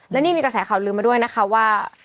และนี่มีกระแสข่าวลืมมาด้วยนะคะว่า